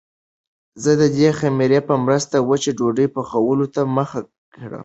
زه د دې خمیرې په مرسته وچې ډوډۍ پخولو ته مخه کړه.